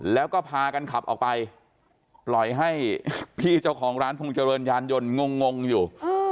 แล้วก็พากันขับออกไปปล่อยให้พี่เจ้าของร้านพงษ์ยานยนต์งงอยู่